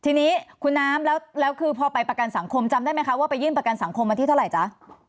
ทีนี้คุณน้ำแล้วคือพอไปประกันสังคมจำได้ไหมคะว่าไปยื่นประกันสังคมวันที่เท่าไหร่จ๊ะ